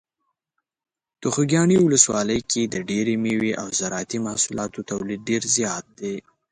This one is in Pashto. د خوږیاڼي ولسوالۍ کې د ډیری مېوې او زراعتي محصولاتو تولید ډیر زیات دی.